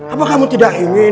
apa kamu tidak ingin